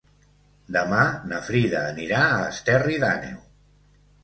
Demà na Frida anirà a Esterri d'Àneu.